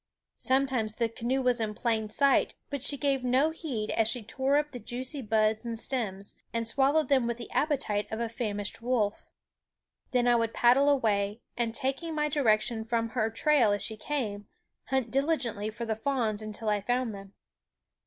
Sometimes the canoe was in plain sight; but she gave no heed as she tore up the juicy buds and stems, and swallowed them with the appetite of a famished wolf. Then I would paddle away and, taking my direction from her trail as she came, hunt diligently for the fawns until I found them.